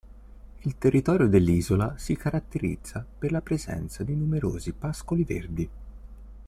Il territorio dell'isola si caratterizza per la presenza di numerosi pascoli verdi.